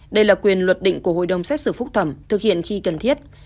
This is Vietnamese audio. đây là quyền luật định của hội đồng xét xử phúc thẩm thực hiện khi cần thiết